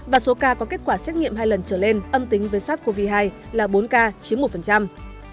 và số ca có kết quả xét nghiệm hai lần trở lên âm tính với sars cov hai là bốn ca chiếm một